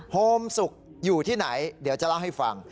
โฮมสุกอยู่ที่ไหนเดี๋ยวจะเล่าให้ฟัง